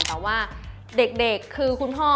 แต่ว่าเด็กคือคุณพ่อ